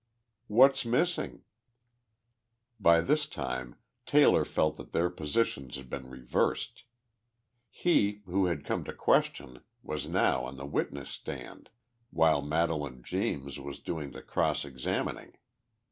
"What's missing?" By this time Taylor felt that their positions had been reversed. He, who had come to question, was now on the witness stand, while Madelaine James was doing the cross examining.